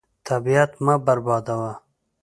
طبیعت مه بربادوه.